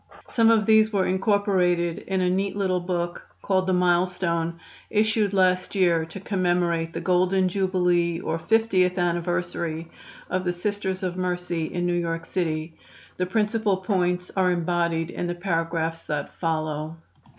Some of these were incorporated in a neat little book called the "Milestone," issued last year to commemorate the golden jubilee or 50th anniversary of the Sisters of Mercy in New York City. The principal points are embodied in the paragraphs that follow.